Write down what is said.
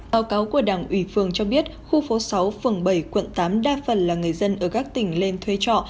báo cáo của đảng ủy phường cho biết khu phố sáu phường bảy quận tám đa phần là người dân ở các tỉnh lên thuê trọ